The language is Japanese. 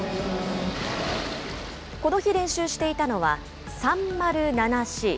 この日、練習していたのは、３０７Ｃ。